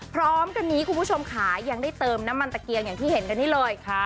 พร้อมกันนี้คุณผู้ชมขายังได้เติมน้ำมันตะเกียงอย่างที่เห็นกันนี่เลยค่ะ